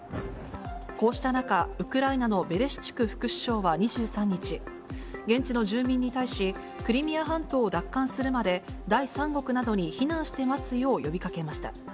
こうした中、ウクライナのベレシチュク副首相は２３日、現地の住民に対し、クリミア半島を奪還するまで、第三国などに避難して待つよう呼びかけました。